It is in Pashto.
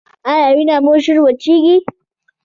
ایا وینه مو ژر وچیږي؟